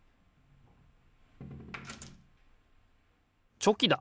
チョキだ！